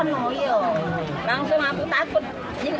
langsung aku takut